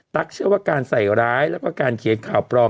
เชื่อว่าการใส่ร้ายแล้วก็การเขียนข่าวปลอม